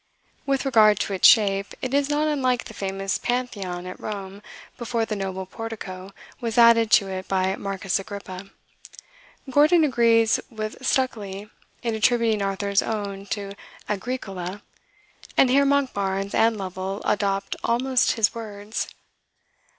With regard to its shape, it is not unlike the famous Pantheon at Rome before the noble Portico was added to it by Marcus Agrippa." Gordon agrees with Stukeley in attributing Arthur's Oon to Agricola, and here Monkbarns and Lovel adopt almost his words.